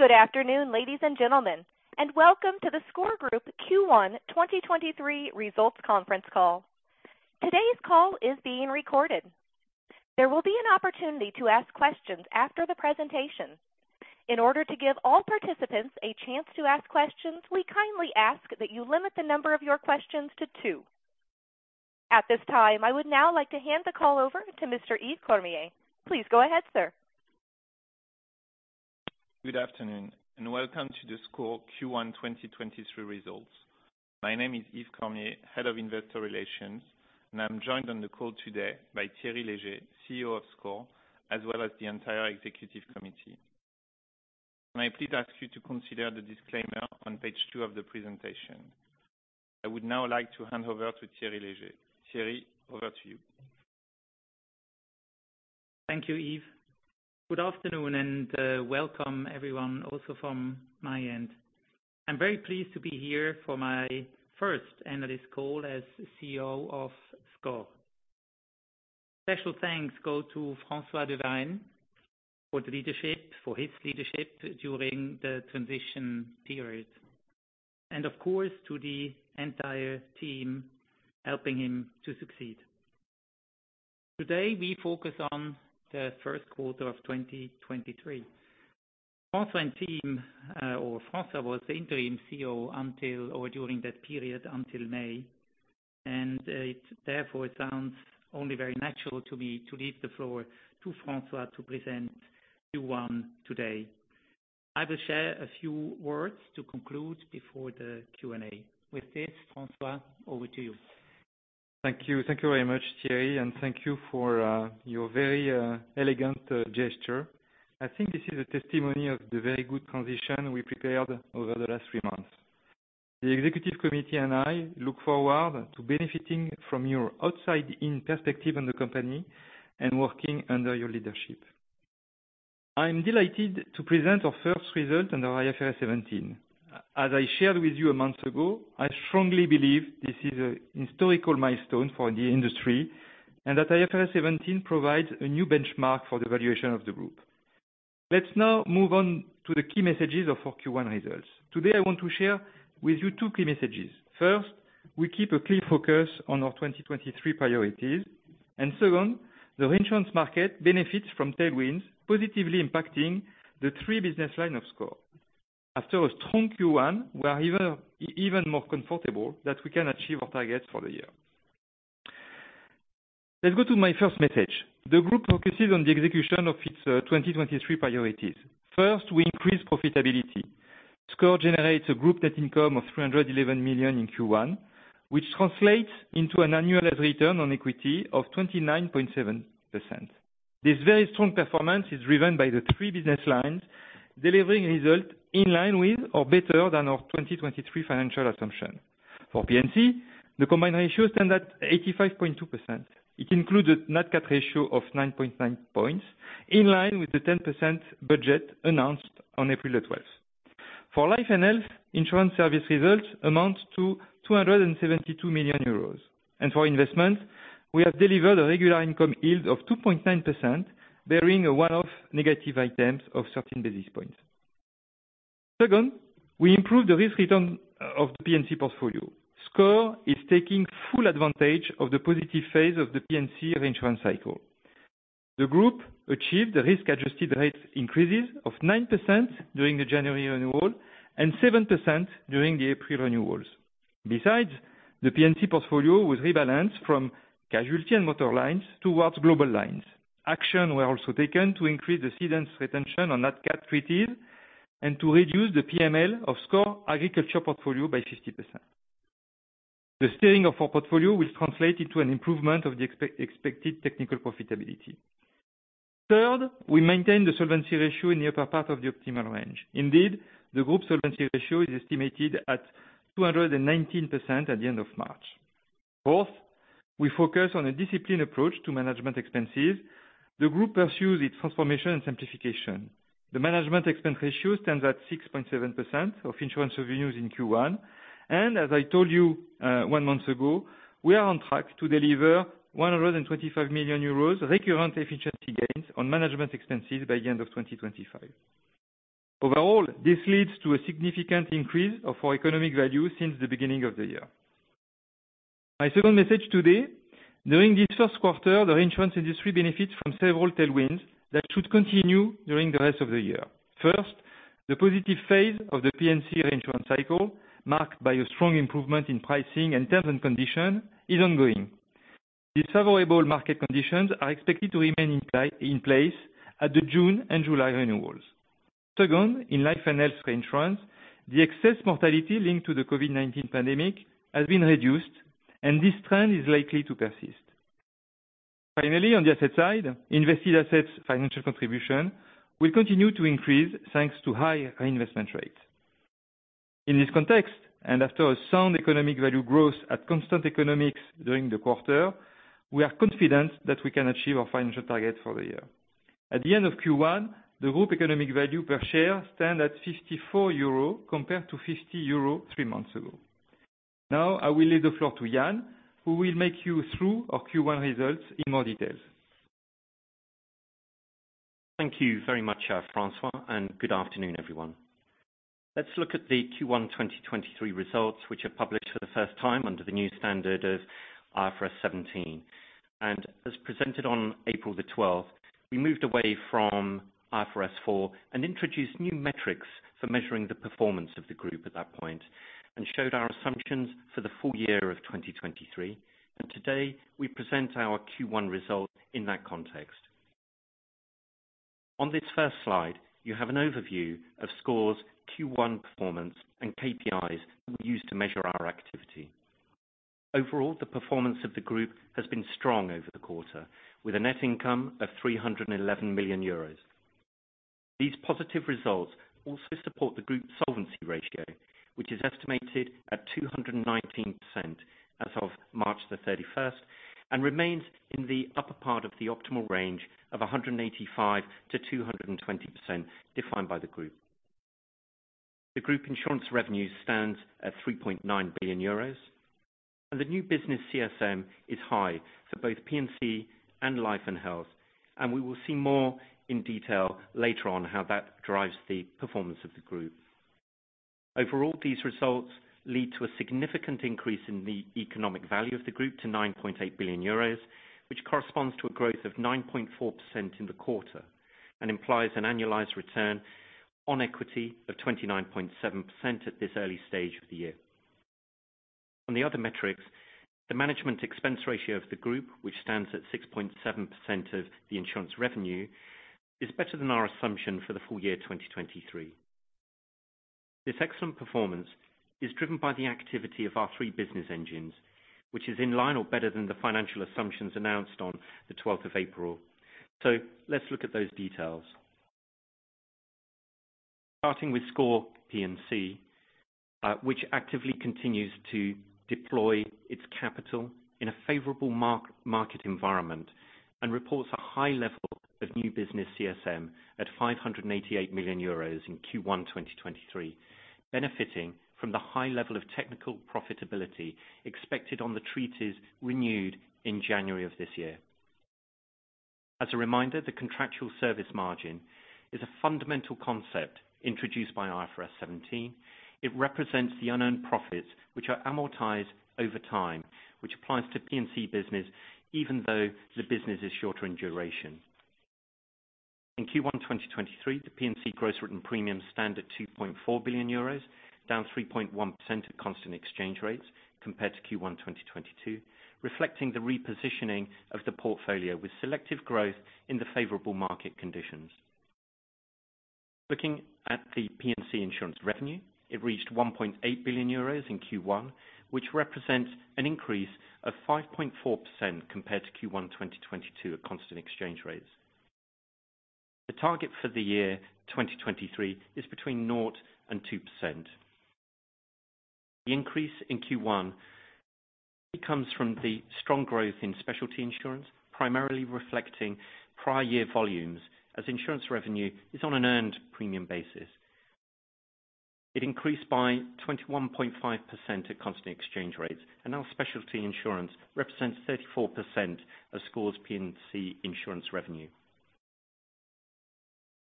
Good afternoon, ladies and gentlemen, and welcome to the SCOR Group Q1 2023 Results Conference Call. Today's call is being recorded. There will be an opportunity to ask questions after the presentation. In order to give all participants a chance to ask questions, we kindly ask that you limit the number of your questions to two. At this time, I would now like to hand the call over to Mr. Yves Cormier. Please go ahead, sir. Good afternoon, welcome to the SCOR Q1 2023 results. My name is Yves Cormier, head of investor relations, and I'm joined on the call today by Thierry Léger, CEO of SCOR, as well as the entire executive committee. May I please ask you to consider the disclaimer on page two of the presentation? I would now like to hand over to Thierry Léger. Thierry, over to you. Thank you, Yves. Good afternoon and, welcome everyone also from my end. I'm very pleased to be here for my first analyst call as CEO of SCOR. Special thanks go to François de Varenne for the leadership, for his leadership during the transition period, and of course to the entire team helping him to succeed. Today we focus on the first quarter of 2023. François and team, or François was the interim CEO until or during that period until May, and, it therefore sounds only very natural to me to leave the floor to François to present Q1 today. I will share a few words to conclude before the Q&A. With this, François, over to you. Thank you. Thank you very much, Thierry, and thank you for your very elegant gesture. I think this is a testimony of the very good transition we prepared over the last three months. The executive committee and I look forward to benefiting from your outside-in perspective on the company and working under your leadership. I'm delighted to present our first result under IFRS 17. As I shared with you a month ago, I strongly believe this is a historical milestone for the industry and that IFRS 17 provides a new benchmark for the valuation of the group. Let's now move on to the key messages of our Q1 results. Today I want to share with you two key messages. First, we keep a clear focus on our 2023 priorities, and second, the reinsurance market benefits from tailwinds positively impacting the three business lines of SCOR. After a strong Q1, we are even more comfortable that we can achieve our targets for the year. Let's go to my first message. The group focuses on the execution of its 2023 priorities. First, we increase profitability. SCOR generates a group net income of 311 million in Q1, which translates into an annualized return on equity of 29.7%. This very strong performance is driven by the three business lines delivering results in line with or better than our 2023 financial assumption. For P&C, the combined ratio stands at 85.2%. It includes a Nat Cat ratio of 9.9 points, in line with the 10% budget announced on 12th April. For life and health, insurance service results amount to 272 million euros. For investments, we have delivered a regular income yield of 2.9%, bearing a one-off negative item of 13 basis points. We improved the risk return of the P&C portfolio. SCOR is taking full advantage of the positive phase of the P&C rinsed cycle. The group achieved risk-adjusted rates increases of 9% during the January renewal and 7% during the April renewals. The P&C portfolio was rebalanced from casualty and motor lines towards global lines. Actions were also taken to increase the cedents' retention on Nat Cat treaties and to reduce the PML of SCOR agriculture portfolio by 50%. The steering of our portfolio will translate into an improvement of the expected technical profitability. We maintained the solvency ratio in the upper part of the optimal range. The group solvency ratio is estimated at 219% at the end of March. We focus on a disciplined approach to management expenses. The group pursues its transformation and simplification. The management expense ratio stands at 6.7% of insurance revenues in Q1, and as I told you, one month ago, we are on track to deliver 125 million euros recurrent efficiency gains on management expenses by the end of 2025. Overall, this leads to a significant increase of our economic value since the beginning of the year. My second message today: during this first quarter, the reinsurance industry benefits from several tailwinds that should continue during the rest of the year. First, the positive phase of the P&C reinsurance cycle, marked by a strong improvement in pricing and terms and conditions, is ongoing. These favorable market conditions are expected to remain in place at the June and July renewals. Second, in life and health reinsurance, the excess mortality linked to the COVID-19 pandemic has been reduced, and this trend is likely to persist. Finally, on the asset side, invested assets' financial contribution will continue to increase thanks to high reinvestment rates. In this context, after a sound economic value growth at constant economics during the quarter, we are confident that we can achieve our financial target for the year. At the end of Q1, the group economic value per share stands at 54 euro compared to 50 euro three months ago. I will leave the floor to Ian, who will make you through our Q1 results in more details. Thank you very much, François. Good afternoon, everyone. Let's look at the Q1 2023 results, which are published for the first time under the new standard of IFRS 17. As presented on April the 12th, we moved away from IFRS 4 and introduced new metrics for measuring the performance of the group at that point, and showed our assumptions for the full year of 2023. Today, we present our Q1 result in that context. On this first slide, you have an overview of SCOR's Q1 performance and KPIs that we use to measure our activity. Overall, the performance of the group has been strong over the quarter, with a net income of 311 million euros. These positive results also support the group solvency ratio, which is estimated at 219% as of March the 31st, and remains in the upper part of the optimal range of 185%-220% defined by the group. The group insurance revenues stand at 3.9 billion euros, the new business CSM is high for both P&C and life and health, and we will see more in detail later on how that drives the performance of the group. Overall, these results lead to a significant increase in the economic value of the group to 9.8 billion euros, which corresponds to a growth of 9.4% in the quarter and implies an annualized return on equity of 29.7% at this early stage of the year. On the other metrics, the management expense ratio of the group, which stands at 6.7% of the insurance revenue, is better than our assumption for the full year 2023. This excellent performance is driven by the activity of our three business engines, which is in line or better than the financial assumptions announced on the 12th of April. Let's look at those details. Starting with SCOR P&C, which actively continues to deploy its capital in a favorable market environment and reports a high level of new business CSM at 588 million euros in Q1 2023, benefiting from the high level of technical profitability expected on the treaties renewed in January of this year. As a reminder, the contractual service margin is a fundamental concept introduced by IFRS 17. It represents the unowned profits which are amortized over time, which applies to P&C business even though the business is shorter in duration. In Q1 2023, the P&C gross written premiums stand at 2.4 billion euros, down 3.1% at constant exchange rates compared to Q1 2022, reflecting the repositioning of the portfolio with selective growth in the favorable market conditions. Looking at the P&C insurance revenue, it reached 1.8 billion euros in Q1, which represents an increase of 5.4% compared to Q1 2022 at constant exchange rates. The target for the year 2023 is between 0% and 2%. The increase in Q1 comes from the strong growth in specialty insurance, primarily reflecting prior year volumes as insurance revenue is on an earned premium basis. It increased by 21.5% at constant exchange rates. Now specialty insurance represents 34% of SCOR's P&C insurance revenue.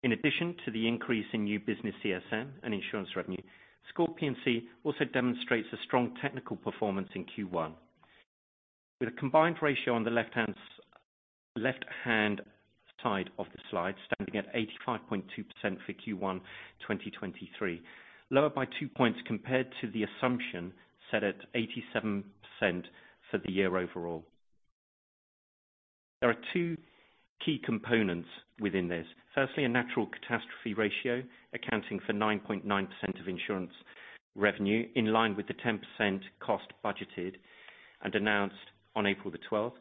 In addition to the increase in new business CSM and insurance revenue, SCOR P&C also demonstrates a strong technical performance in Q1, with a combined ratio on the left-hand side of the slide standing at 85.2% for Q1 2023, lower by two points compared to the assumption set at 87% for the year overall. There are two key components within this. Firstly, a natural catastrophe ratio, accounting for 9.9% of insurance revenue in line with the 10% cost budgeted and announced on April 12th,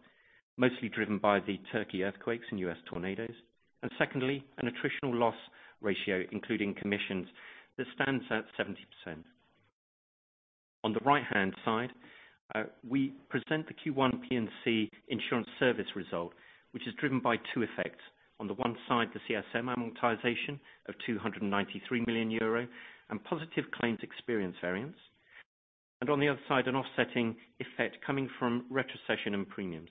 mostly driven by the Turkey earthquakes and U.S. tornadoes. Secondly, an attritional loss ratio, including commissions, that stands at 70%. On the right-hand side, we present the Q1 P&C insurance service result, which is driven by two effects. On the one side, the CSM amortization of 293 million euro and positive claims experience variance. On the other side, an offsetting effect coming from retrocession and premiums.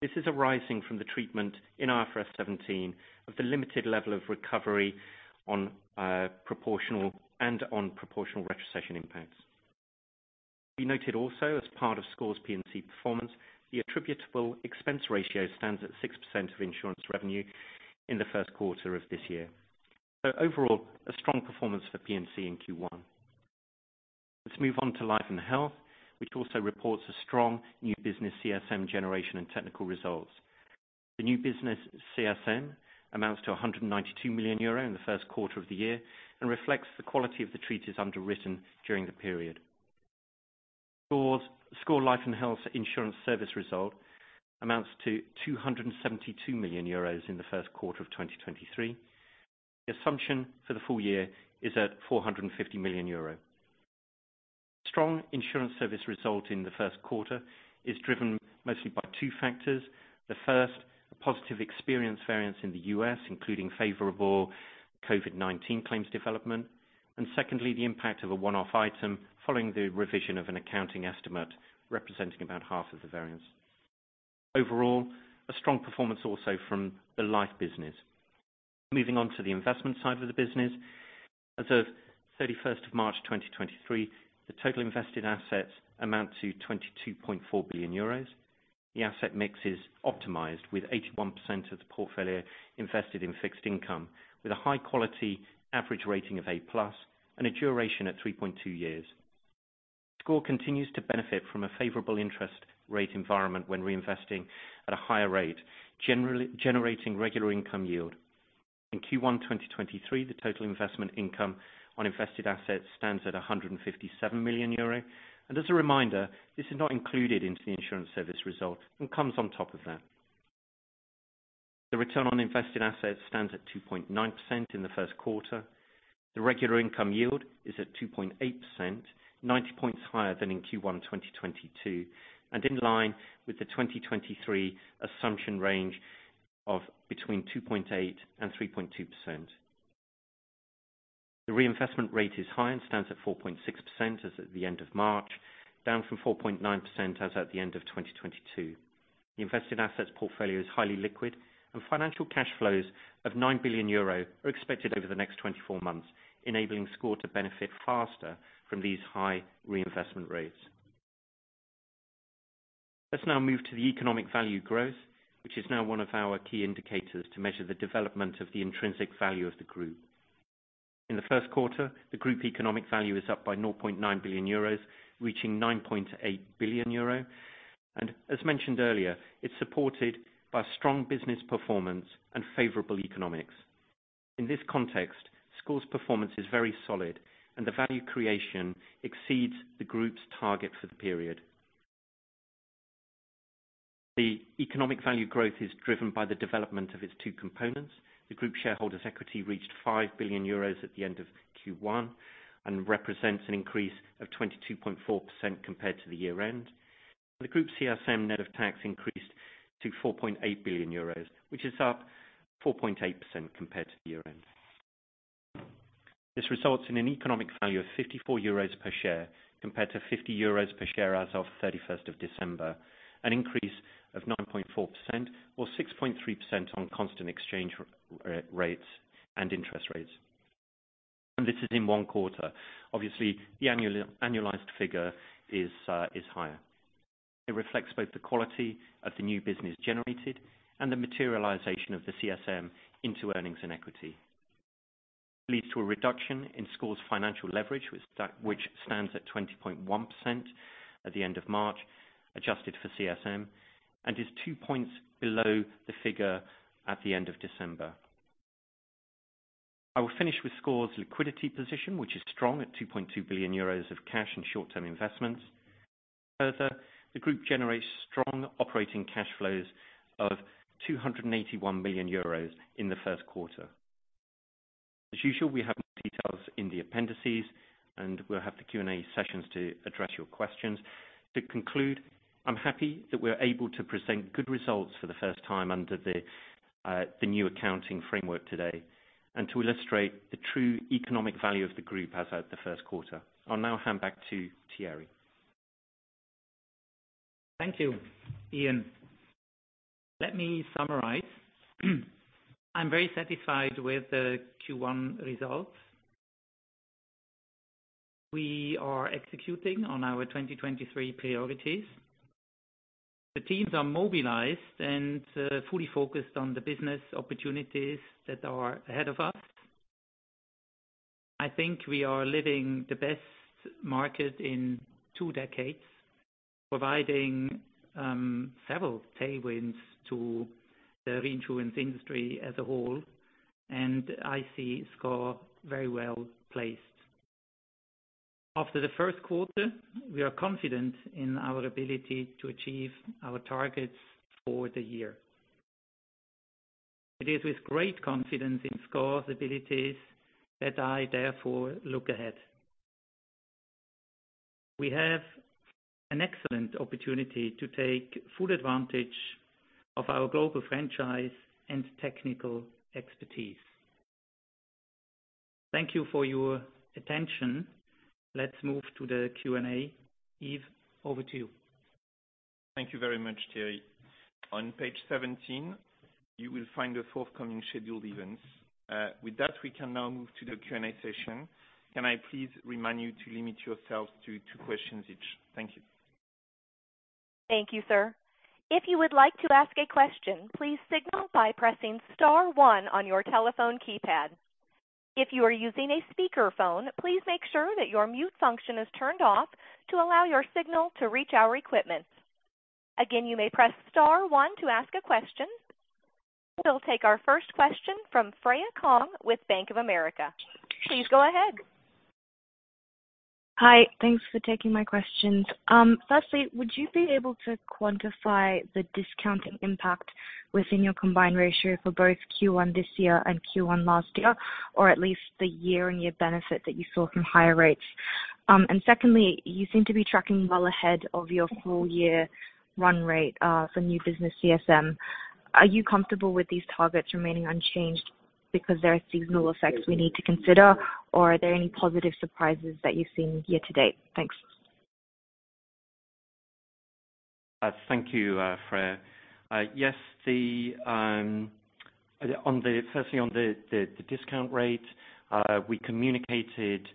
This is arising from the treatment in IFRS 17 of the limited level of recovery on proportional and on proportional retrocession impacts. We noted also, as part of SCOR's P&C performance, the attributable expense ratio stands at 6% of insurance revenue in the first quarter of this year. Overall, a strong performance for P&C in Q1. Let's move on to life and health, which also reports a strong new business CSM generation and technical results. The new business CSM amounts to 192 million euro in the first quarter of the year and reflects the quality of the treaties underwritten during the period. SCOR's life and health insurance service result amounts to 272 million euros in the first quarter of 2023. The assumption for the full year is at 450 million euro. The strong insurance service result in the first quarter is driven mostly by two factors. The first, a positive experience variance in the U.S., including favorable COVID-19 claims development. Secondly, the impact of a one-off item following the revision of an accounting estimate representing about half of the variance. Overall, a strong performance also from the life business. Moving on to the investment side of the business, as of 31st of March 2023, the total invested assets amount to 22.4 billion euros. The asset mix is optimized with 81% of the portfolio invested in fixed income, with a high-quality average rating of A-plus and a duration at 3.2 years. SCOR continues to benefit from a favorable interest rate environment when reinvesting at a higher rate, generally generating regular income yield. In Q1 2023, the total investment income on invested assets stands at 157 million euro. As a reminder, this is not included into the insurance service result and comes on top of that. The return on invested assets stands at 2.9% in the first quarter. The regular income yield is at 2.8%, 90 basis points higher than in Q1 2022, and in line with the 2023 assumption range of between 2.8% and 3.2%. The reinvestment rate is high and stands at 4.6% as of the end of March, down from 4.9% as of the end of 2022. The invested assets portfolio is highly liquid, and financial cash flows of 9 billion euro are expected over the next 24 months, enabling SCOR to benefit faster from these high reinvestment rates. Let's now move to the economic value growth, which is now one of our key indicators to measure the development of the intrinsic value of the group. In the first quarter, the group economic value is up by 0.9 billion euros, reaching 9.8 billion euro. As mentioned earlier, it's supported by strong business performance and favorable economics. In this context, SCOR's performance is very solid, and the value creation exceeds the group's target for the period. The economic value growth is driven by the development of its two components. The group shareholders' equity reached 5 billion euros at the end of Q1 and represents an increase of 22.4% compared to the year-end. The group CSM net of tax increased to 4.8 billion euros, which is up 4.8% compared to the year-end. This results in an economic value of 54 euros per share compared to 50 euros per share as of 31st of December, an increase of 9.4% or 6.3% on constant exchange rates and interest rates. This is in one quarter. Obviously, the annualized figure is higher. It reflects both the quality of the new business generated and the materialization of the CSM into earnings and equity. It leads to a reduction in SCOR's financial leverage, which stands at 20.1% at the end of March, adjusted for CSM, and is two points below the figure at the end of December. I will finish with SCOR's liquidity position, which is strong at 2.2 billion euros of cash and short-term investments. Further, the group generates strong operating cash flows of 281 million euros in the first quarter. As usual, we have more details in the appendices, and we'll have the Q&A sessions to address your questions. To conclude, I'm happy that we're able to present good results for the first time under the new accounting framework today and to illustrate the true economic value of the group as of the first quarter. I'll now hand back to Thierry. Thank you, Ian. Let me summarize. I'm very satisfied with the Q1 results. We are executing on our 2023 priorities. The teams are mobilized and fully focused on the business opportunities that are ahead of us. I think we are living the best market in two decades, providing several tailwinds to the reinsurance industry as a whole. I see SCOR very well placed. After the first quarter, we are confident in our ability to achieve our targets for the year. It is with great confidence in SCOR's abilities that I, therefore, look ahead. We have an excellent opportunity to take full advantage of our global franchise and technical expertise. Thank you for your attention. Let's move to the Q&A. Yves, over to you. Thank you very much, Thierry. On page 17, you will find the forthcoming scheduled events. That, we can now move to the Q&A session. Can I please remind you to limit yourselves to two questions each? Thank you. Thank you, sir. If you would like to ask a question, please signal by pressing star one on your telephone keypad. If you are using a speakerphone, please make sure that your mute function is turned off to allow your signal to reach our equipment. Again, you may press star 1 to ask a question. We'll take our first question from Freya Kong with Bank of America. Please go ahead. Hi. Thanks for taking my questions. Firstly, would you be able to quantify the discounting impact within your combined ratio for both Q1 this year and Q1 last year, or at least the year-on-year benefit that you saw from higher rates? Secondly, you seem to be tracking well ahead of your full-year run rate, for new business CSM. Are you comfortable with these targets remaining unchanged because they're seasonal effects we need to consider, or are there any positive surprises that you've seen year to date? Thanks. Thank you, Freya. Yes, on the firstly, on the discount rate, we communicated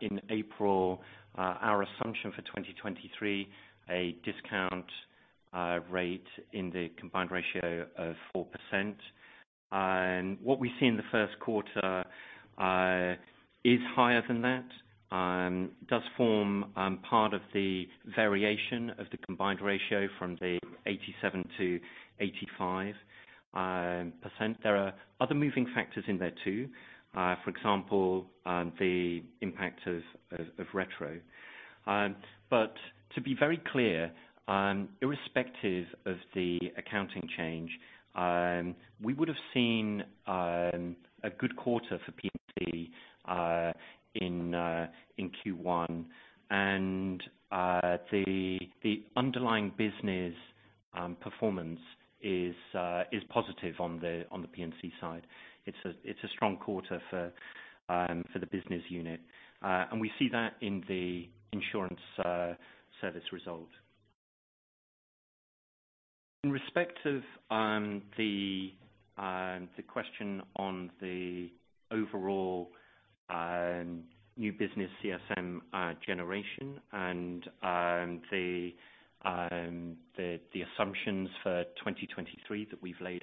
in April our assumption for 2023, a discount rate in the combined ratio of 4%. What we see in the 1st quarter is higher than that. Does form part of the variation of the combined ratio from the 87%-85%. There are other moving factors in there too. For example, the impact of retro. To be very clear, irrespective of the accounting change, we would have seen a good quarter for P&C in Q1. The underlying business performance is positive on the P&C side. It's a strong quarter for the business unit. We see that in the insurance service result. In respect of the question on the overall new business CSM generation and the assumptions for 2023 that we've laid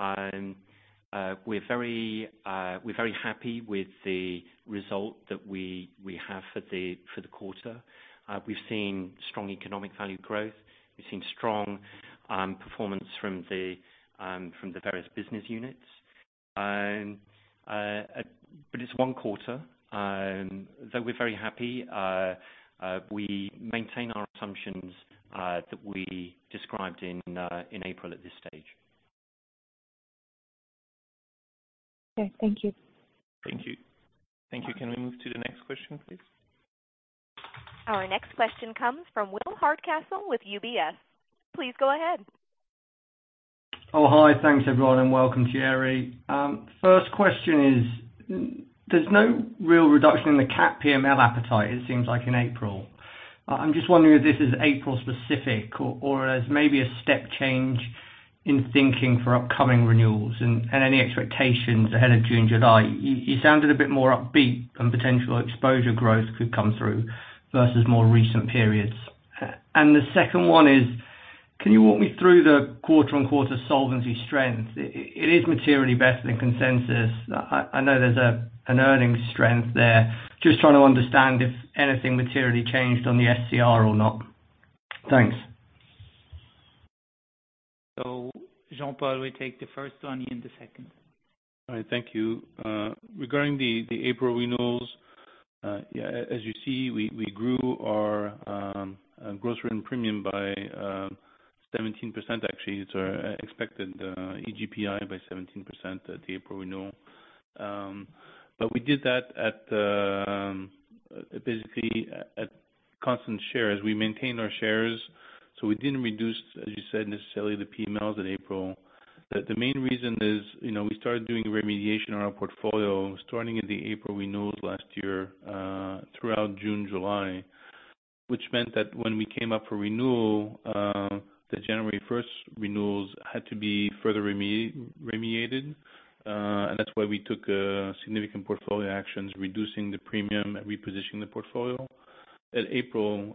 out, we're very happy with the result that we have for the quarter. We've seen strong economic value growth. We've seen strong performance from the various business units. It's one quarter. Though we're very happy, we maintain our assumptions that we described in April at this stage. Okay. Thank you. Thank you. Thank you. Can we move to the next question, please? Our next question comes from William Hardcastle with UBS. Please go ahead. Hi. Thanks, everyone, and welcome, Thierry. First question is, there's no real reduction in the Cat PML appetite, it seems, like in April. I'm just wondering if this is April-specific or there's maybe a step change in thinking for upcoming renewals and any expectations ahead of June, July. You sounded a bit more upbeat and potential exposure growth could come through versus more recent periods. And the second one is, can you walk me through the quarter-on-quarter solvency strength? It is materially better than consensus. I know there's an earnings strength there. Just trying to understand if anything materially changed on the SCR or not. Thanks. Jean-Paul, we take the first one. Ian, the second. All right. Thank you. Regarding the April renewals, as you see, we grew our gross revenue premium by 17%, actually. It's our expected EGPI by 17% at the April renewal. We did that at basically at constant shares. We maintained our shares, so we didn't reduce, as you said, necessarily the PMLs in April. The main reason is, you know, we started doing remediation on our portfolio starting at the April renewals last year, throughout June, July, which meant that when we came up for renewal The 1st January renewals had to be further remediated. That's why we took a significant portfolio actions, reducing the premium and repositioning the portfolio. At April,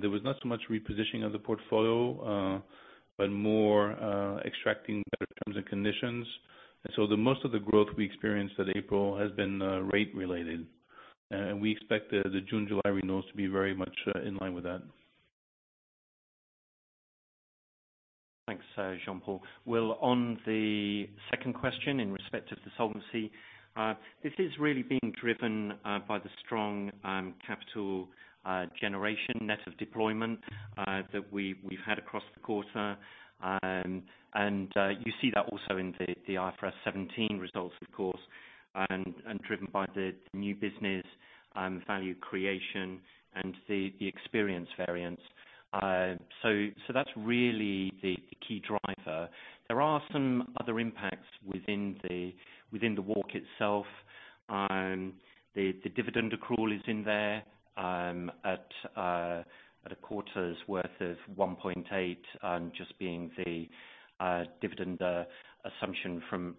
there was not so much repositioning of the portfolio, but more, extracting better terms and conditions. The most of the growth we experienced that April has been rate-related. We expect the June, July renewals to be very much in line with that. Thanks, Jean-Paul. Will, on the second question in respect of the solvency, this is really being driven by the strong capital generation, net of deployment, that we've had across the quarter. You see that also in the IFRS 17 results, of course, and driven by the new business value creation and the experience variance. So that's really the key driver. There are some other impacts within the walk itself. The dividend accrual is in there, at a quarter's worth of 1.8, just being the dividend assumption from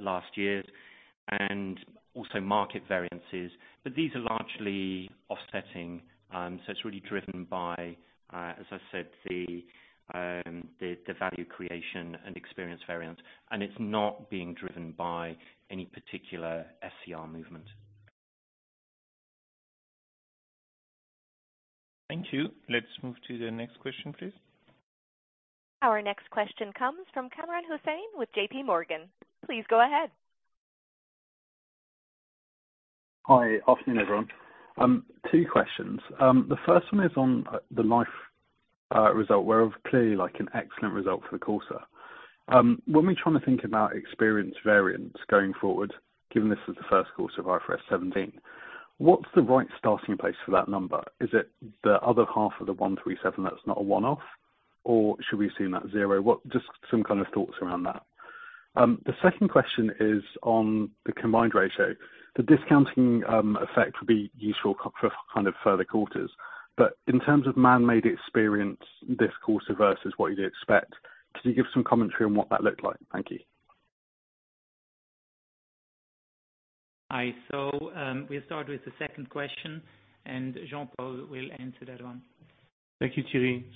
last year and also market variances. These are largely offsetting, so it's really driven by, as I said, the value creation and experience variance. It's not being driven by any particular SCR movement. Thank you. Let's move to the next question, please. Our next question comes from Kamran Hussain with JPMorgan. Please go ahead. Hi. Afternoon, everyone. two questions. The first one is on the life result, clearly, like, an excellent result for the quarter. When we're trying to think about experience variance going forward, given this is the first quarter of IFRS 17, what's the right starting place for that number? Is it the other half of the 137 that's not a one-off, or should we assume that's zero? Just some kind of thoughts around that. The second question is on the combined ratio. The discounting effect would be useful for kind of further quarters. In terms of manmade experience this quarter versus what you'd expect, could you give some commentary on what that looked like? Thank you. Hi. we'll start with the second question, and Jean-Paul will answer that one. Thank you, Thierry.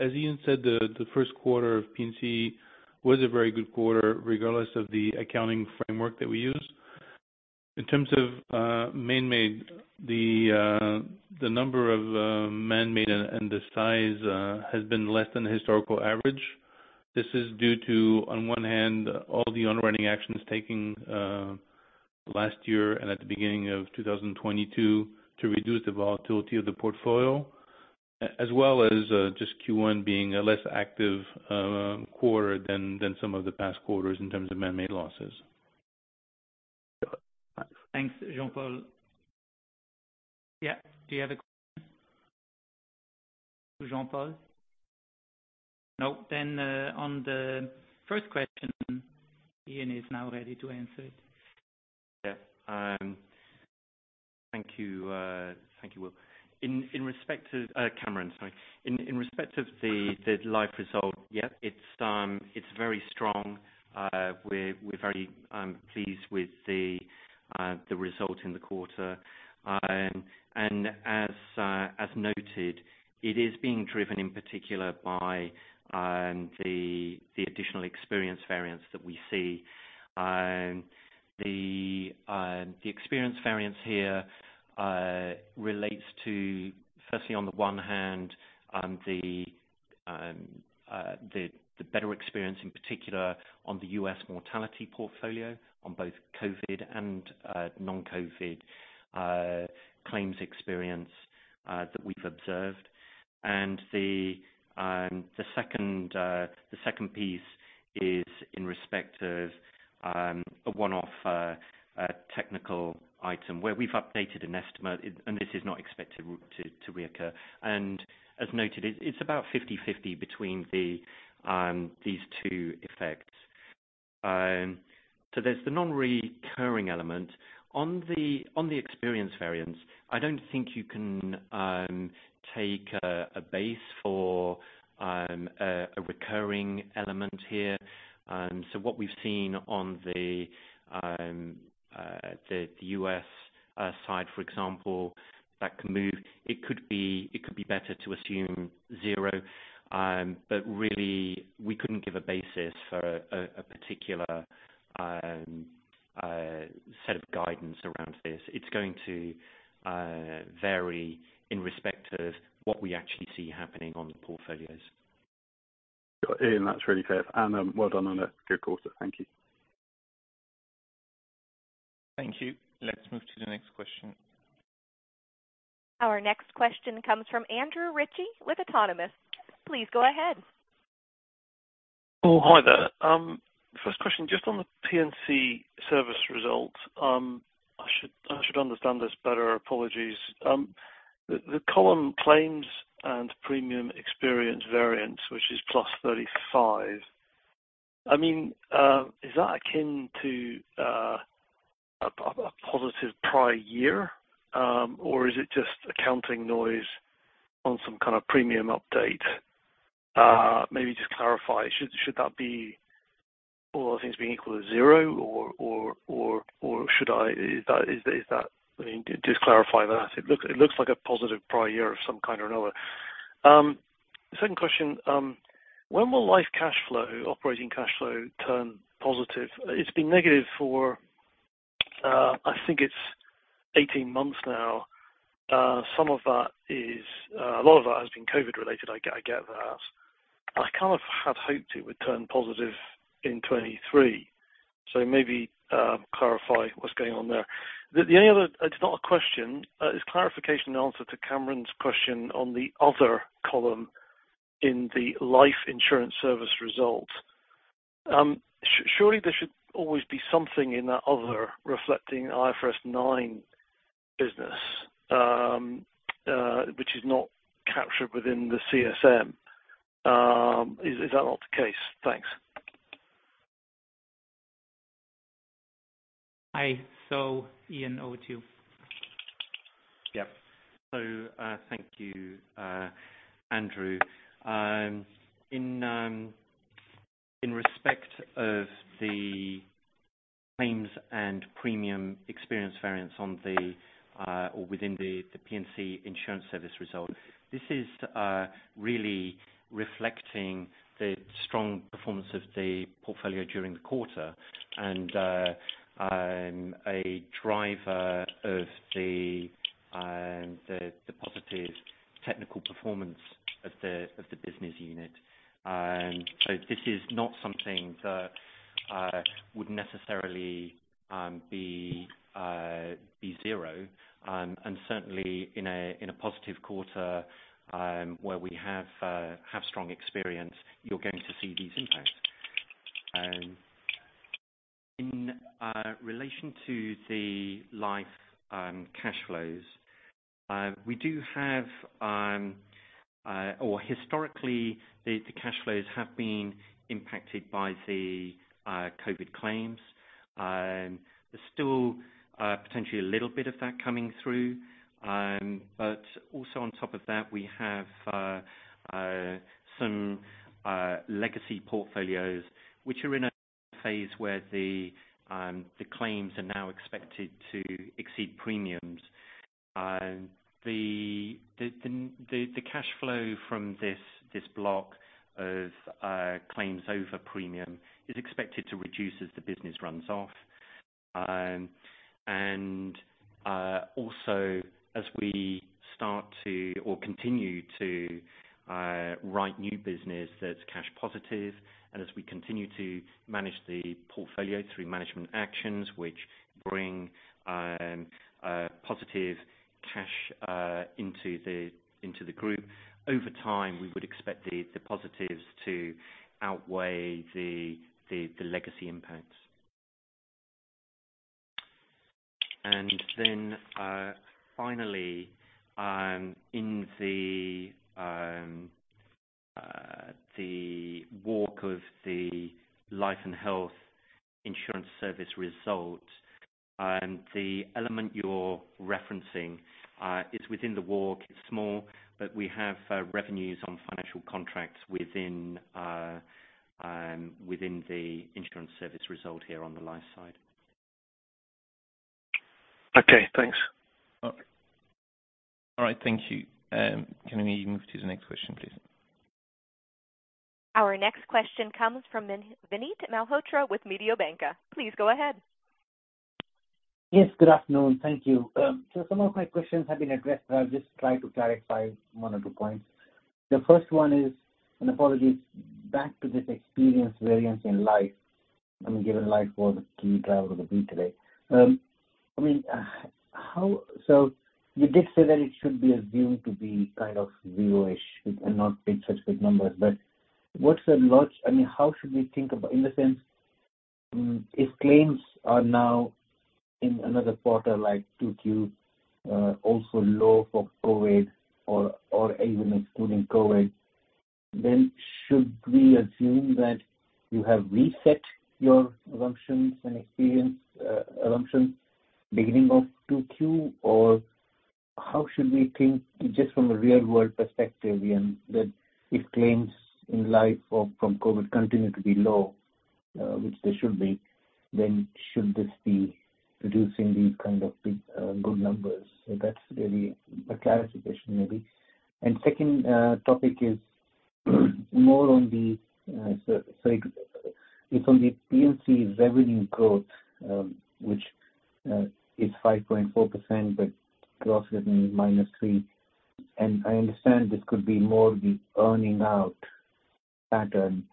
As Ian said, the first quarter of P&C was a very good quarter regardless of the accounting framework that we use. In terms of manmade, the number of manmade and the size has been less than the historical average. This is due to, on one hand, all the on-running actions taking last year and at the beginning of 2022 to reduce the volatility of the portfolio, as well as just Q1 being a less active quarter than some of the past quarters in terms of manmade losses. Thanks, Jean-Paul. Yeah. Do you have a question? Jean-Paul? Nope. On the first question, Ian is now ready to answer it. Thank you. Thank you, Will. In respect of Kamran, sorry. In respect of the life result, yep, it's very strong. We're very pleased with the result in the quarter. As noted, it is being driven in particular by the additional experience variance that we see. The experience variance here relates to, firstly, on the one hand, the better experience in particular on the U.S. mortality portfolio on both COVID and non-COVID claims experience that we've observed. The second piece is in respect of a one-off technical item where we've updated an estimate, and this is not expected to reoccur. As noted, it's about 50/50 between these two effects. There's the non-recurring element. On the experience variance, I don't think you can take a base for a recurring element here. What we've seen on the US side, for example, that can move it could be better to assume zero. Really, we couldn't give a basis for a particular set of guidance around this. It's going to vary in respect of what we actually see happening on the portfolios. Yeah. Ian, that's really fair. Well done on that. Good quarter. Thank you. Thank you. Let's move to the next question. Our next question comes from Andrew Ritchie with Autonomous. Please go ahead. Hi there. First question, just on the P&C service result, I should understand this better. Apologies. The column claims and premium experience variance, which is +35, I mean, is that akin to a positive prior year, or is it just accounting noise on some kind of premium update? Maybe just clarify. Should that be all those things being equal to zero, or should I mean, does clarify that? It looks like a positive prior year of some kind or another. Second question, when will life cash flow, operating cash flow, turn positive? It's been negative for, I think it's 18 months now. Some of that is a lot of that has been COVID-related. I get that. I kind of had hoped it would turn positive in 2023. Maybe, clarify what's going on there. The only other, it's not a question, it's clarification and answer to Kamran's question on the other column in the life insurance service result. Surely there should always be something in that other reflecting IFRS 9 business, which is not captured within the CSM. Is that not the case? Thanks. Hi. Ian. Yep. Thank you, Andrew. In respect of the claims and premium experience variance on the, or within the P&C insurance service result, this is really reflecting the strong performance of the portfolio during the quarter and a driver of the positive technical performance of the business unit. This is not something that would necessarily be zero. Certainly, in a positive quarter, where we have strong experience, you're going to see these impacts. Relation to the life cash flows, we do have, or historically, the cash flows have been impacted by the COVID claims. There's still potentially a little bit of that coming through. Also on top of that, we have some legacy portfolios which are in a phase where the claims are now expected to exceed premiums. The cash flow from this block of claims over premium is expected to reduce as the business runs off. Also as we start to or continue to write new business that's cash positive, and as we continue to manage the portfolio through management actions which bring positive cash into the group, over time, we would expect the positives to outweigh the legacy impacts. Finally, in the walk of the Life & Health insurance service result, the element you're referencing, is within the walk. It's small, but we have revenues on financial contracts within the insurance service result here on the life side. Okay. Thanks. All right. Thank you. Can we move to the next question, please? Our next question comes from Vinit Malhotra with Mediobanca. Please go ahead. Good afternoon. Thank you. Some of my questions have been addressed, but I'll just try to clarify one or two points. The first one is an apology. Back to this experience variance in life. I mean, given life was a key driver of the B today. I mean, how so you did say that it should be assumed to be kind of zero-ish and not be such good numbers. What's the log I mean, how should we think about in the sense, if claims are now in another quarter, like 2Q, also low for COVID-19 or even excluding COVID-19, then should we assume that you have reset your assumptions and experience, assumptions beginning of 2Q? How should we think just from a real-world perspective, Ian, that if claims in life or from COVID continue to be low, which they should be, then should this be reducing these kind of big, good numbers? That's really a clarification, maybe. Second, topic is more on the P&C revenue growth, which is 5.4% but gross revenue minus 3%. I understand this could be more the earning-out pattern,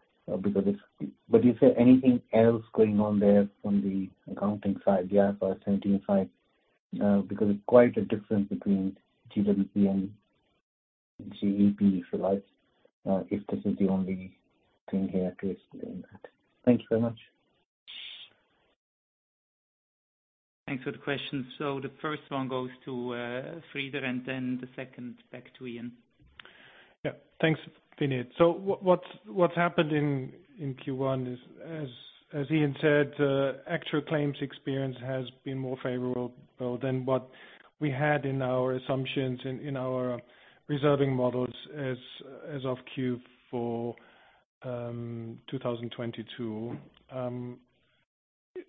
because is there anything else going on there on the accounting side, the IFRS 17 side, because it's quite a difference between GWP and GEP, if you like, if this is the only thing here to explain that. Thank you very much. Thanks for the questions. The first one goes to Frieder, and then the second back to Ian. Yeah. Thanks, Vinit. What's happened in Q1 is, as Ian said, the actual claims experience has been more favorable than what we had in our assumptions in our reserving models as of Q4, 2022.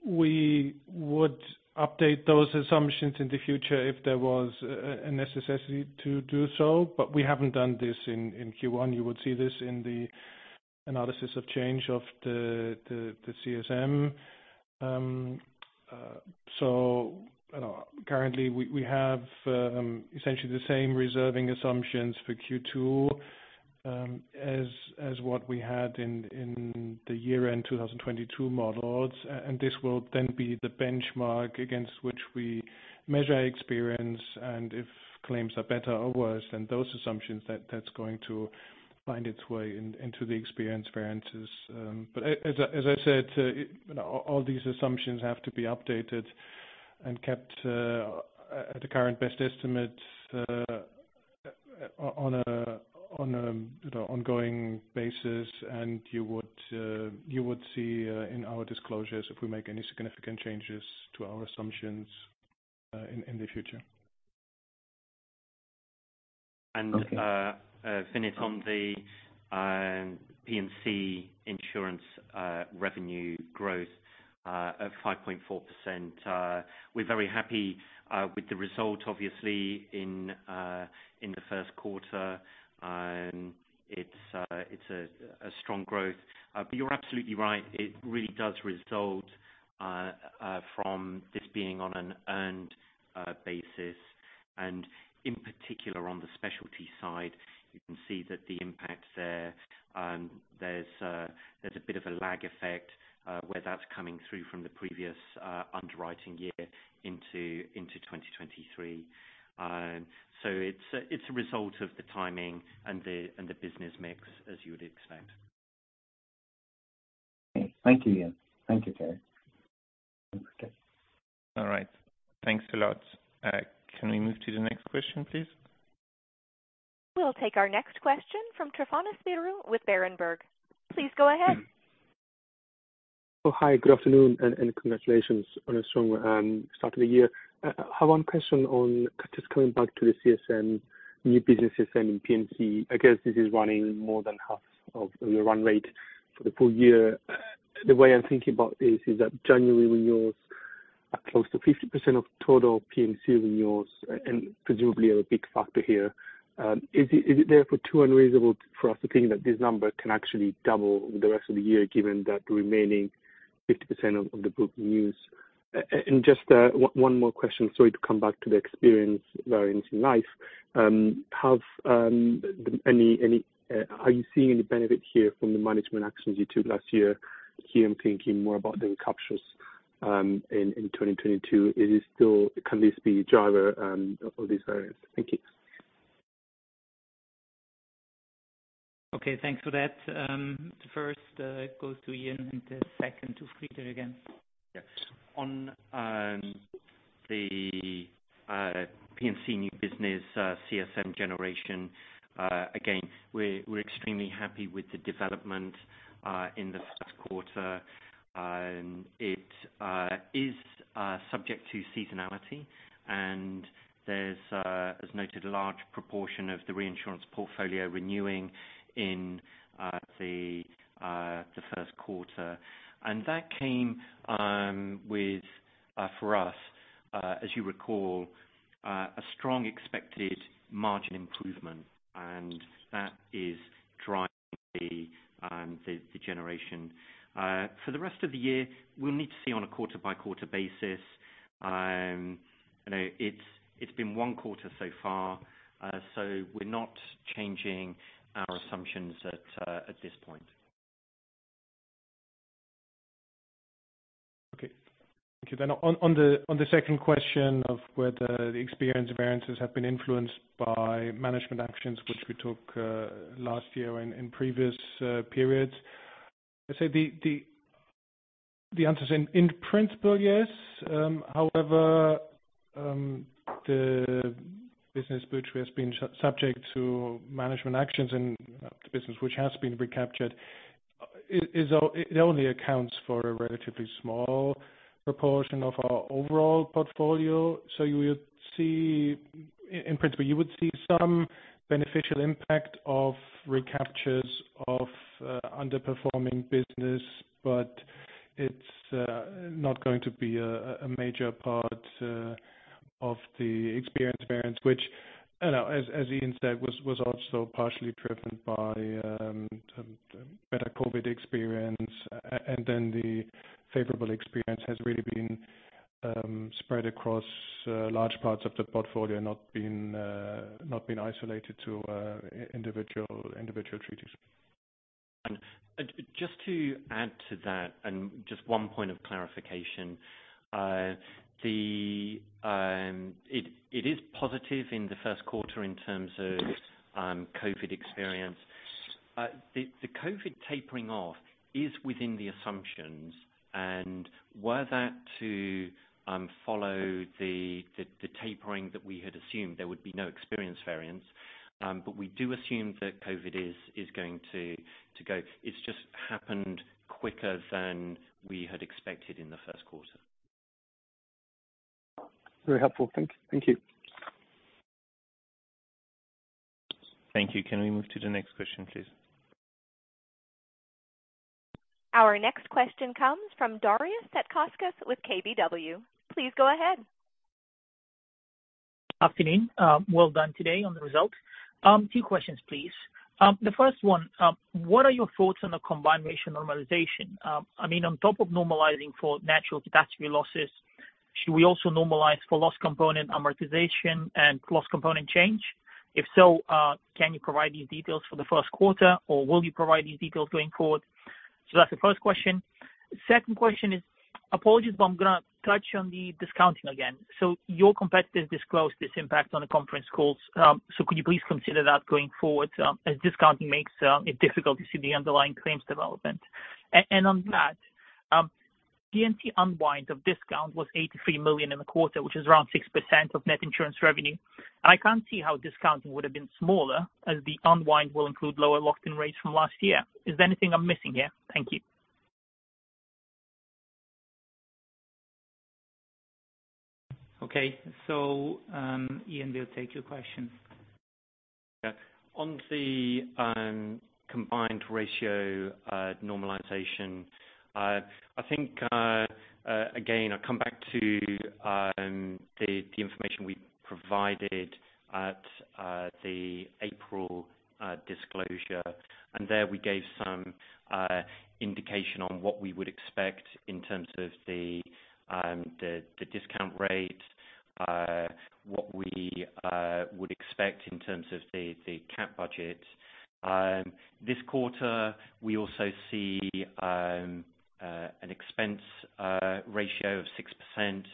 We would update those assumptions in the future if there was a necessity to do so, but we haven't done this in Q1. You would see this in the analysis of change of the CSM. You know, currently, we have essentially the same reserving assumptions for Q2 as what we had in the year-end 2022 models. This will then be the benchmark against which we measure experience. If claims are better or worse than those assumptions, that's going to find its way into the experience variances as I said, it you know, all these assumptions have to be updated and kept at the current best estimate, on a, you know, ongoing basis. You would see, in our disclosures if we make any significant changes to our assumptions, in the future. Vinit, on the P&C insurance revenue growth of 5.4%, we're very happy with the result, obviously, in the first quarter. It's a strong growth. You're absolutely right. It really does result from this being on an earned basis. In particular, on the specialty side, you can see that the impact there's a bit of a lag effect, where that's coming through from the previous underwriting year into 2023. It's a result of the timing and the business mix, as you would expect. Okay. Thank you, Ian. Thank you, Thierry. Okay. All right. Thanks a lot. Can we move to the next question, please? We'll take our next question from Tryfonas Bidou with Berenberg. Please go ahead. Oh, hi. Good afternoon and congratulations on a strong start of the year. I have one question on just coming back to the CSM, new business CSM in P&C. I guess this is running more than half of your run rate for the full year. The way I'm thinking about this is that January, when you're at close to 50% of total P&C renewals, and presumably a big factor here, is it therefore too unreasonable for us to think that this number can actually double the rest of the year given that the remaining 50% of the book renews? Just one more question. Sorry to come back to the experience variance in life. Are you seeing any benefit here from the management actions you took last year? Here, I'm thinking more about the recaptures in 2022. Is it still can this be a driver, of this variance? Thank you. Okay. Thanks for that. The first, goes to Ian, and the second to Frieder again. Yeah. The P&C new business CSM generation, again, we're extremely happy with the development in the first quarter. It is subject to seasonality. There's, as noted, a large proportion of the reinsurance portfolio renewing in the first quarter. That came with for us, as you recall, a strong expected margin improvement. That is driving the generation. For the rest of the year, we'll need to see on a quarter-by-quarter basis. You know, it's been one quarter so far, so we're not changing our assumptions at this point. Okay. Thank you. On the second question of whether the experience variances have been influenced by management actions which we took, last year and previous periods, I'd say the answer's in principle, yes. The business which has been subject to management actions and, you know, the business which has been recaptured, it only accounts for a relatively small proportion of our overall portfolio. You would see in principle, you would see some beneficial impact of recaptures of underperforming business, but it's not going to be a major part of the experience variance which, you know, as Jan said, was also partially driven by better COVID experience. The favorable experience has really been spread across large parts of the portfolio and not been isolated to individual treaties. Just to add to that and just one point of clarification, it is positive in the first quarter in terms of COVID experience. The COVID tapering off is within the assumptions. Were that to follow the tapering that we had assumed, there would be no experience variance. We do assume that COVID is going to go. It's just happened quicker than we had expected in the first quarter. Very helpful. Thank you. Thank you. Can we move to the next question, please? Our next question comes from Darius Satkauskas with KBW. Please go ahead. Afternoon. Well done today on the results. Two questions, please. The first one, what are your thoughts on the combined ratio normalization? I mean, on top of normalizing for natural catastrophe losses, should we also normalize for loss component amortization and loss component change? If so, can you provide these details for the first quarter, or will you provide these details going forward? That's the first question. Second question is apologies, I'm gonna touch on the discounting again. Could you please consider that going forward, as discounting makes it difficult to see the underlying claims development? On that, P&C unwind of discount was 83 million in the quarter, which is around 6% of net insurance revenue. I can't see how discounting would have been smaller as the unwind will include lower locked-in rates from last year. Is there anything I'm missing here? Thank you. Okay. Ian, we'll take your questions. Yeah. On the combined ratio normalization, I think again, I'll come back to the information we provided at the April disclosure. There, we gave some indication on what we would expect in terms of the discount rate, what we would expect in terms of the cap budget. This quarter, we also see an expense ratio of 6%.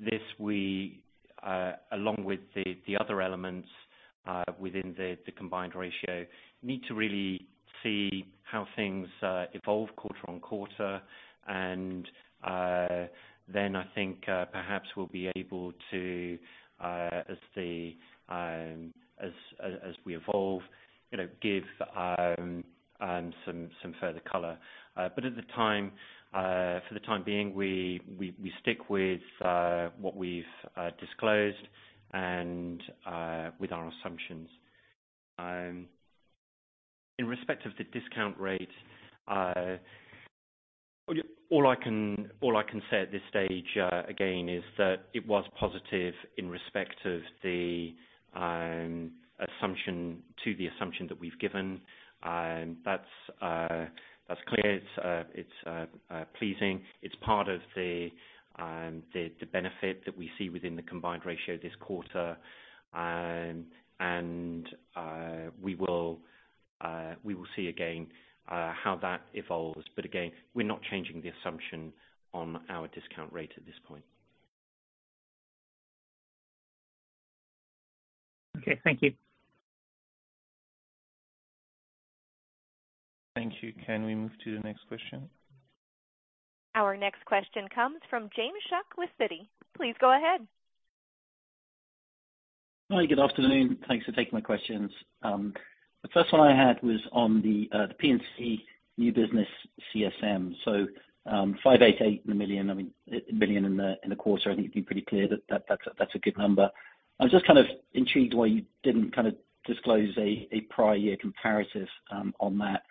This, we, along with the other elements within the combined ratio, need to really see how things evolve quarter-on-quarter. I think perhaps we'll be able to, as we evolve, you know, give some further color. At the time, for the time being, we stick with what we've disclosed and with our assumptions in respect of the discount rate, all I can say at this stage, again, is that it was positive in respect of the assumption to the assumption that we've given. That's clear. It's pleasing. It's part of the benefit that we see within the combined ratio this quarter. We will see again, how that evolves. Again, we're not changing the assumption on our discount rate at this point. Okay. Thank you. Thank you. Can we move to the next question? Our next question comes from James Shuck with Citi. Please go ahead. Hi. Good afternoon. Thanks for taking my questions. The first one I had was on the P&C new business CSM. 588 million in the quarter, I think it'd be pretty clear that's a good number. I was just kind of intrigued why you didn't kind of disclose a prior year comparative on that.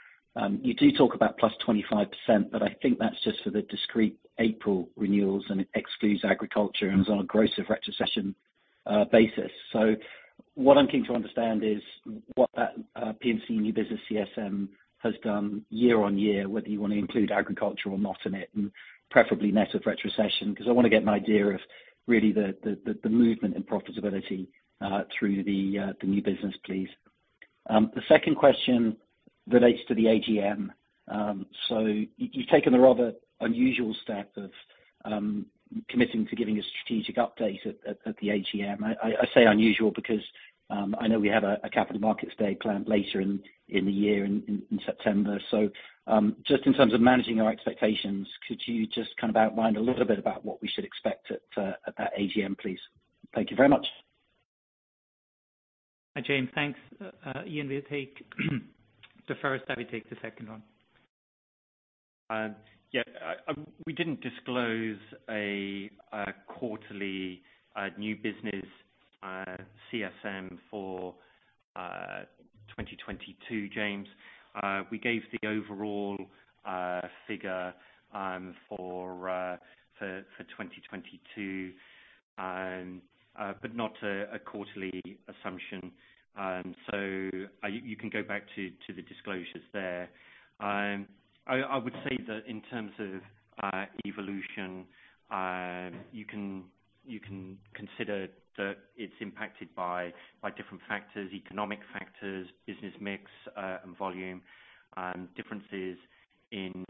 You do talk about +25%, but I think that's just for the discrete April renewals, and it excludes agriculture and is on a gross of retrocession basis. What I'm keen to understand is what that P&C new business CSM has done year on year, whether you wanna include agriculture or not in it, and preferably net of retrocession. 'Cause I wanna get an idea of, really, the movement in profitability, through the new business, please. The second question relates to the AGM. You've taken a rather unusual step of committing to giving a strategic update at the AGM. I say unusual because I know we have a capital markets day planned later in the year, in September. Just in terms of managing our expectations, could you just kind of outline a little bit about what we should expect at that AGM, please? Thank you very much. Hi, James. Thanks. Ian, we'll take the first. I will take the second one. Yeah. We didn't disclose a quarterly new business CSM for 2022, James. We gave the overall figure for 2022, but not a quarterly assumption. You can go back to the disclosures there. I would say that in terms of evolution, you can consider that it's impacted by different factors, economic factors, business mix and volume, differences in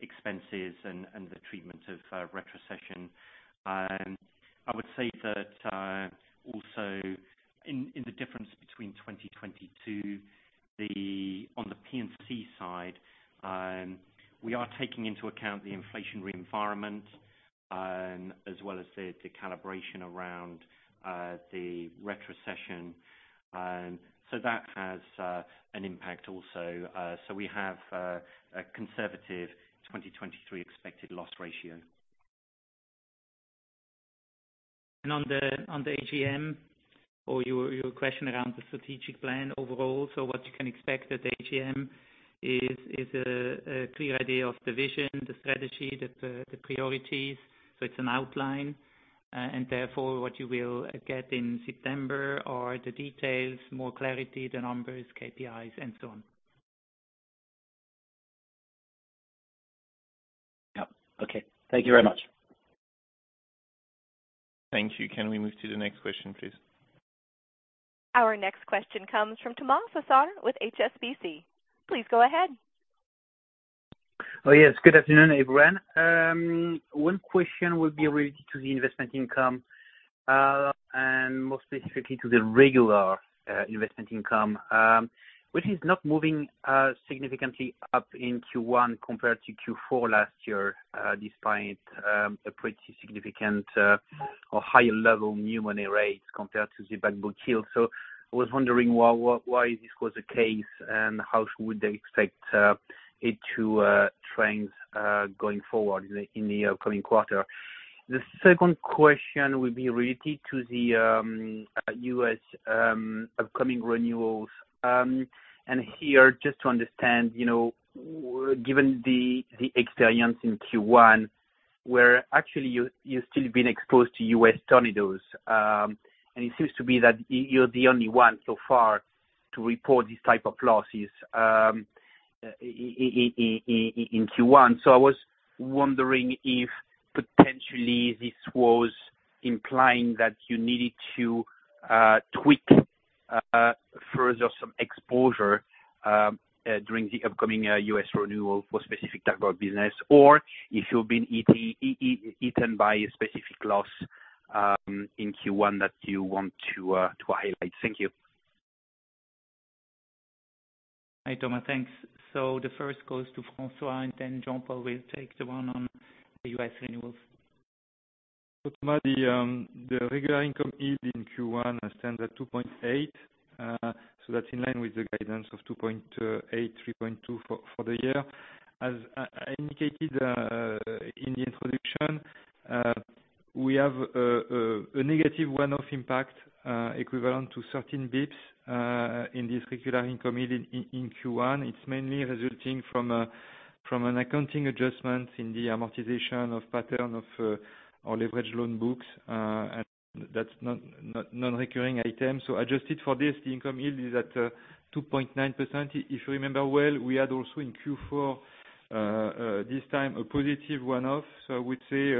expenses and the treatment of recession. I would say that also in the difference between 2022 On the P&C side, we are taking into account the inflation re-environment, as well as the calibration around the recession. That has an impact also. We have a conservative 2023 expected loss ratio. On the AGM or your question around the strategic plan overall, what you can expect at the AGM is a clear idea of the vision, the strategy, the priorities. It's an outline. Therefore, what you will get in September are the details, more clarity, the numbers, KPIs, and so on. Yep. Okay. Thank you very much. Thank you. Can we move to the next question, please? Our next question comes from Thomas Buberl with HSBC. Please go ahead. Oh, yes. Good afternoon, everyone. One question will be related to the investment income, and more specifically to the regular, investment income, which is not moving significantly up in Q1 compared to Q4 last year, despite a pretty significant, or higher level new money rates compared to the backbook yield. I was wondering why this was the case, and how would they expect, it to, trends going forward in the upcoming quarter. The second question will be related to the, U.S., upcoming renewals. Here, just to understand, you know, given the experience in Q1, where actually, you're still being exposed to U.S. tornadoes, and it seems to be that you're the only one so far to report this type of losses, in Q1. I was wondering if, potentially, this was implying that you needed to, tweak, further some exposure, during the upcoming, US renewal for specific type of business, or if you've been eaten by a specific loss, in Q1 that you want to highlight. Thank you. Hi, Tomás. Thanks. The first goes to François and then Jean-Paul will take the one on the U.S. renewals. Tomás, the regular income yield in Q1 stands at 2.8. That's in line with the guidance of 2.8, 3.2 for the year. As, I indicated, in the introduction, we have a, a negative one off impact, equivalent to 13 Bps, in this regular income yield in, in Q1. It's mainly resulting from a from an accounting adjustment in the amortization of pattern of, our leveraged loan books. That's not, non-recurring item. Adjusted for this, the income yield is at, 2.9%. If you remember well, we had also in Q4, this time, a positive one ooff. I would say,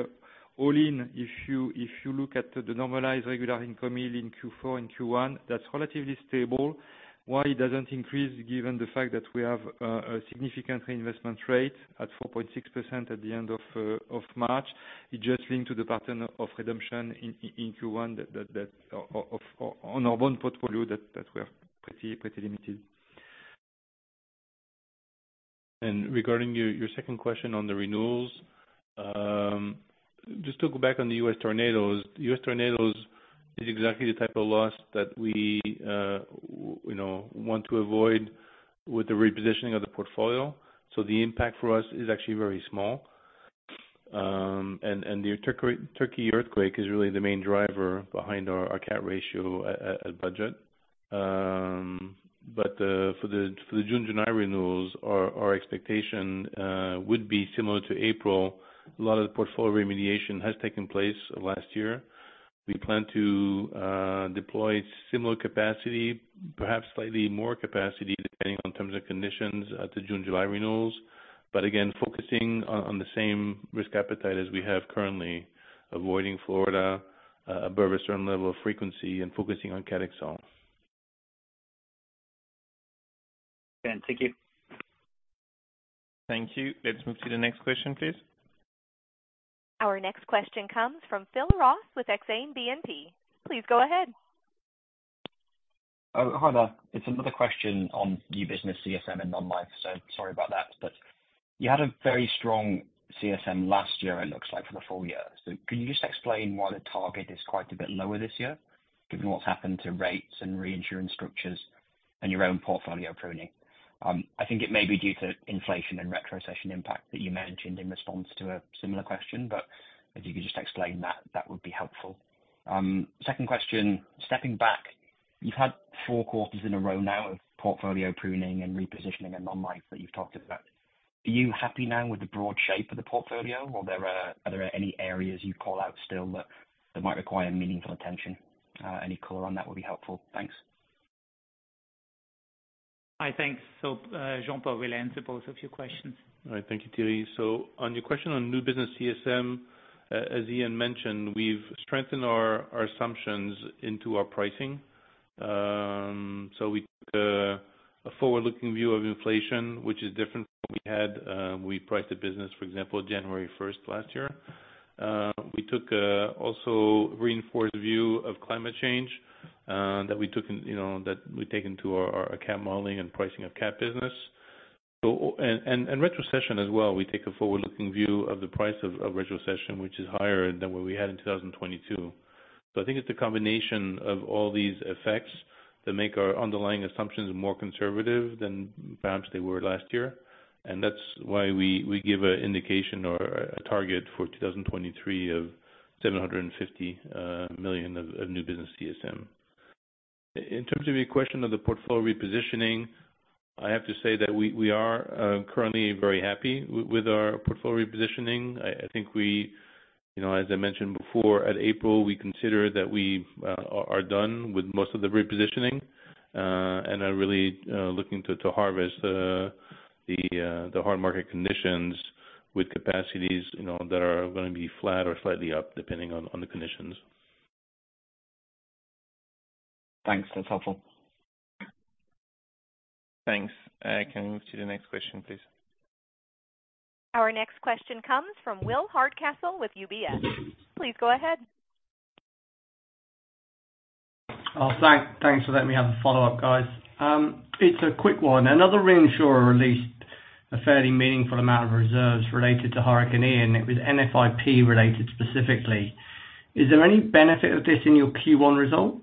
all in, if you if you look at the normalized regular income yield in Q4, in Q1, that's relatively stable. Why it doesn't increase given the fact that we have, a significant reinvestment rate at 4.6% at the end of March. It's just linked to the pattern of redemption in Q1 that on our bond portfolio that we are pretty limited. Regarding your second question on the renewals, just to go back on the U.S. tornadoes, U.S. tornadoes is exactly the type of loss that we, you know, want to avoid with the repositioning of the portfolio. The impact for us is actually very small. and the Turkey earthquake is really the main driver behind our cap ratio at budget. For the June, July renewals, our expectation would be similar to April. A lot of the portfolio remediation has taken place last year. We plan to deploy similar capacity, perhaps slightly more capacity depending on terms and conditions, to June, July renewals. Again, focusing on the same risk appetite as we have currently, avoiding Florida, above a certain level of frequency, and focusing on Cat XL. Great. Thank you. Thank you. Let's move to the next question, please. Our next question comes from Phil Ross with Exane BNP Paribas. Please go ahead. Hi there. It's another question on new business CSM and non-life. Sorry about that. You had a very strong CSM last year, it looks like, for the full year. Could you just explain why the target is quite a bit lower this year, given what's happened to rates and reinsurance structures and your own portfolio pruning? I think it may be due to inflation and recession impact that you mentioned in response to a similar question. If you could just explain that would be helpful. Second question, stepping back, you've had four quarters in a row now of portfolio pruning and repositioning and non-life that you've talked about. Are you happy now with the broad shape of the portfolio, or are there any areas you call out still that might require meaningful attention? Any color on that would be helpful. Thanks. Hi. Thanks. Jean-Paul will answer both of your questions. All right. Thank you, Thierry. On your question on new business CSM, as Ian mentioned, we've strengthened our assumptions into our pricing. We took a forward-looking view of inflation, which is different from what we had, when we priced the business, for example, January 1st last year. We took, also a reinforced view of climate change, that we took in you know, that we take into our Cat modeling and pricing of Cat business. And recession as well, we take a forward-looking view of the price of recession, which is higher than what we had in 2022. I think it's a combination of all these effects that make our underlying assumptions more conservative than perhaps they were last year. That's why we give a indication or a target for 2023 of 750 million of new business CSM. In terms of your question of the portfolio repositioning, I have to say that we are currently very happy with our portfolio repositioning. I think we you know, as I mentioned before, at April, we consider that we are done with most of the repositioning. Are really looking to harvest the hard market conditions with capacities, you know, that are gonna be flat or slightly up depending on the conditions. Thanks. That's helpful. Thanks. Can we move to the next question, please? Our next question comes from William Hardcastle with UBS. Please go ahead. Thanks for letting me have a follow-up, guys. It's a quick one. Another reinsurer released a fairly meaningful amount of reserves related to Hurricane Ian, and it was NFIP-related specifically. Is there any benefit of this in your Q1 result?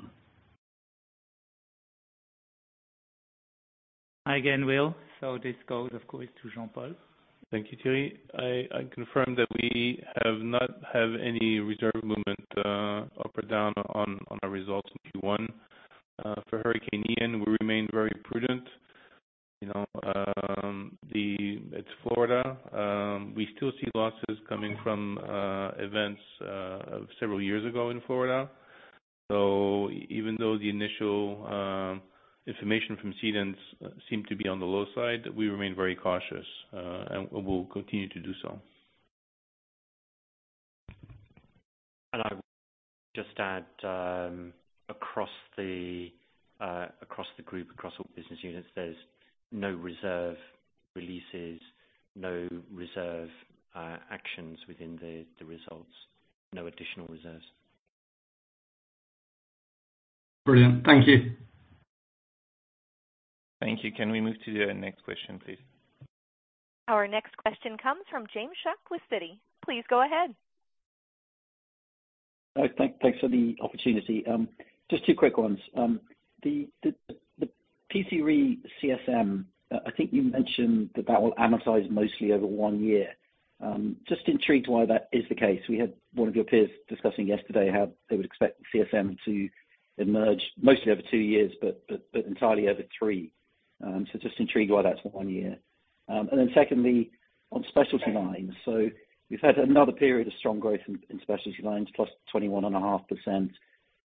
Hi again, Will. This goes, of course, to Jean-Paul. Thank you, Thierry. I confirm that we have not have any reserve movement, up or down on our results in Q1. For Hurricane Ian, we remain very prudent. You know, it's Florida. We still see losses coming from, events, of several years ago in Florida. So even though the initial, information from cedents, seemed to be on the low side, we remain very cautious, and we'll continue to do so. I will just add, across the group, across all business units, there's no reserve releases, no reserve actions within the results. No additional reserves. Brilliant. Thank you. Thank you. Can we move to the next question, please? Our next question comes from James Shuck with Citi. Please go ahead. Thanks for the opportunity. Just two quick ones. The P&C Re CSM, I think you mentioned that that will amortize mostly over one year. Just intrigued why that is the case. We had one of your peers discussing yesterday how they would expect the CSM to emerge mostly over two years, but entirely over three. Just intrigued why that's one year. Secondly, on specialty lines. We've had another period of strong growth in specialty lines, +21.5%.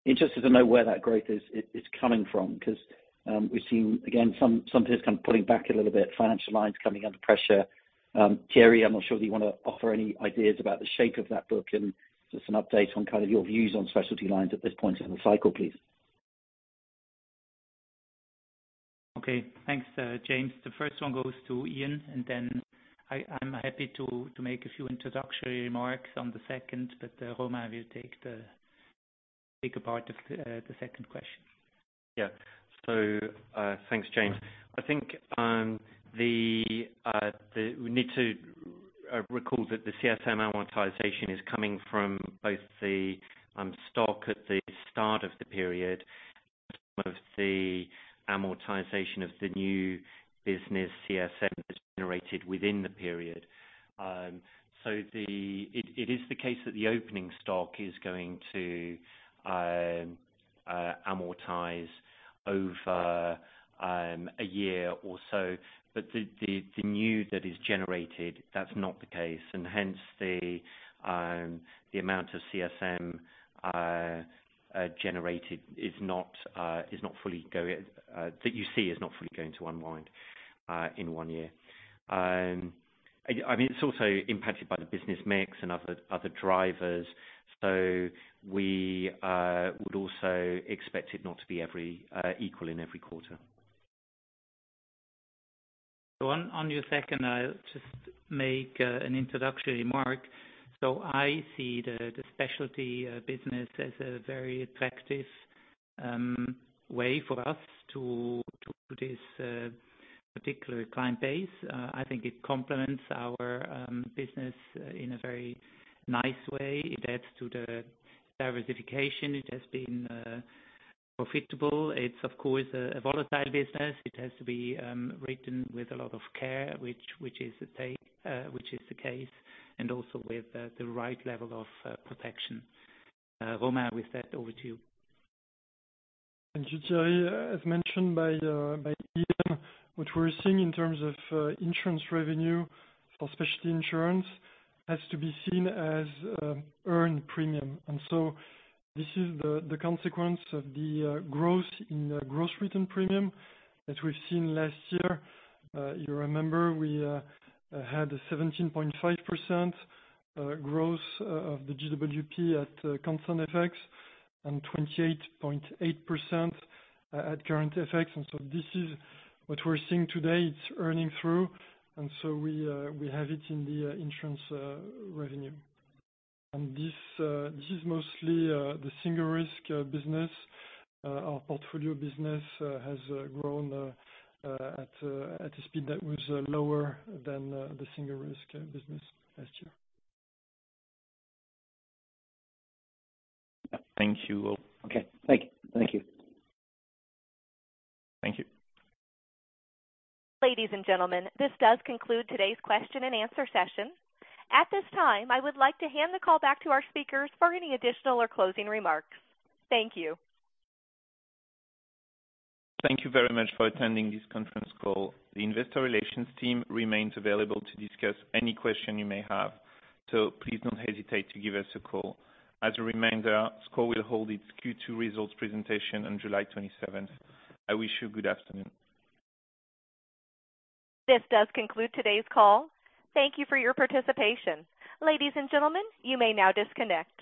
Interested to know where that growth is, it's coming from 'cause, we've seen, again, some peers kind of pulling back a little bit, financial lines coming under pressure. Thierry, I'm not sure that you wanna offer any ideas about the shape of that book and just an update on kind of your views on specialty lines at this point in the cycle, please. Okay. Thanks, James. The first one goes to Ian, then I'm happy to make a few introductory remarks on the second, Varenne will take the bigger part of the second question. Yeah. Thanks, James. I think, the we need to recall that the CSM amortization is coming from both the stock at the start of the period and some of the amortization of the new business CSM that's generated within the period. it is the case that the opening stock is going to amortize over a year or so. the new that is generated, that's not the case. hence, the amount of CSM generated is not fully going that you see is not fully going to unwind in one year. I mean, it's also impacted by the business mix and other drivers. we would also expect it not to be equal in every quarter. On, on your second, I'll just make an introductory remark. I see the specialty business as a very attractive way for us to this particular client base. I think it complements our business in a very nice way. It adds to the diversification. It has been profitable. It's of course a volatile business. It has to be written with a lot of care, which is the case, and also with the right level of protection. Varenne, with that over to you. Thank you, Thierry Léger. As mentioned by Ian Kelly, what we're seeing in terms of insurance revenue for specialty insurance has to be seen as earned premium. This is the consequence of the growth in growth-return premium that we've seen last year. You remember we had a 17.5% growth of the GWP at constant FX and 28.8% at Current FX. This is what we're seeing today. It's earning through. We have it in the insurance revenue. This is mostly the single-risk business. Our portfolio business has grown at a speed that was lower than the single-risk business last year. Yeah. Thank you, Varenne. Okay. Thank you. Thank you. Ladies and gentlemen, this does conclude today's question-and-answer session. At this time, I would like to hand the call back to our speakers for any additional or closing remarks. Thank you. Thank you very much for attending this conference call. The investor relations team remains available to discuss any question you may have. Please don't hesitate to give us a call. As a reminder, SCOR will hold its Q2 results presentation on July 27th. I wish you a good afternoon. This does conclude today's call. Thank you for your participation. Ladies and gentlemen, you may now disconnect.